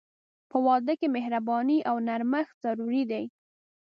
په واده کې مهرباني او نرمښت ضروري دي.